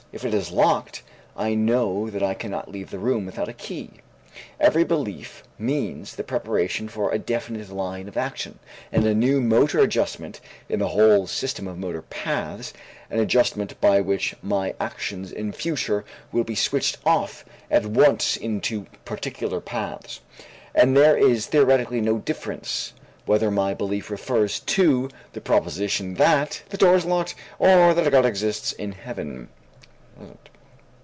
If it is locked I know that I cannot leave the room without a key. Every belief means the preparation for a definite line of action and a new motor adjustment in the whole system of motor paths, an adjustment by which my actions in future will be switched off at once into particular paths. And there is theoretically no difference whether my belief refers to the proposition that the door is locked or that a God exists in Heaven.